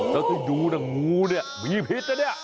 แล้วถ้าดูหนังงูนี่มีพิษน่ะนี่